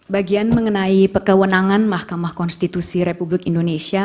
bagian mengenai kewenangan mahkamah konstitusi republik indonesia